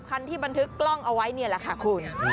คันที่บันทึกกล้องเอาไว้นี่แหละค่ะคุณ